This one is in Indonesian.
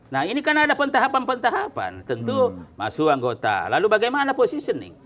nah ini kan ada pentahapan pentahapan tentu masuk anggota lalu bagaimana positioning